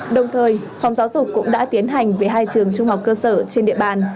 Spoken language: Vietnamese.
đồng thời phòng giáo dục cũng đã tiến hành về hai trường trung học cơ sở trên địa bàn